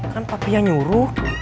kan papi yang nyuruh